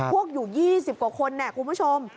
พวกอยู่๒๐กว่าคนคุณผู้ชม